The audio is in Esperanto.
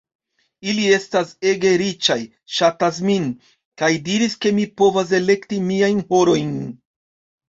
Ili estas ege riĉaj, ŝatas min, kaj diris ke mi povas elekti miajn horojn.